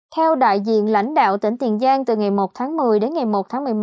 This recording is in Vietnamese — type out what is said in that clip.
theo đại diện lãnh đạo tỉnh tiền giang từ ngày một tháng một mươi đến ngày một tháng một mươi một